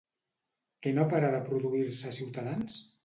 Què no para de produir-se a Ciutadans?